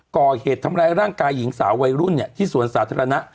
ก่อเหตุทำอะไรร่างกายหญิงสาววัยรุ่นเนี้ยที่สวรรค์สาธารณะ